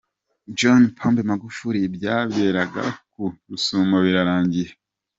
John Pombe Magufuli byaberaga ku Rusumo birarangiye.